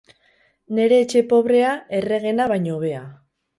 Nere etxe pobrea, erregena baino hobea.